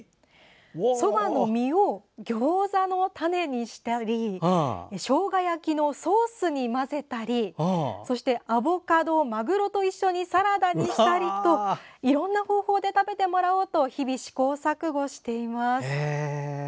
そばの実をギョーザのタネにしたりしょうが焼きのソースに混ぜたりそしてアボカド、マグロと一緒にサラダにしたりといろんな方法で食べてもらおうと日々、試行錯誤しています。